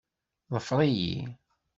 Ḍfer-iyi.